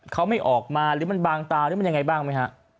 เขาไม่ออกมาหรือมันบางตาหรือมันยังไงบ้างไหมฮะ